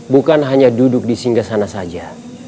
bukan hanya duduk di singgah sana saja